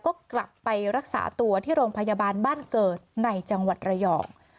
ก็กลับไปรักษาตัวที่โรงพยาบาลบ้านเกิดในจังหวัดระยอง